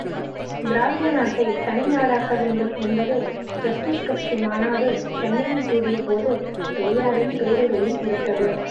திராவிட நாட்டைத் தனி நாடாக்க வேண்டும் என்பது ஜஸ்டிஸ் கட்சி மாநாடு சென்னையில் கூடிய போது பெரியாரின் பேருரையிலிருப்பது.